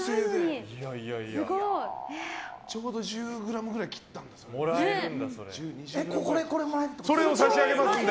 ちょうど１０ｇくらい切ったんですね。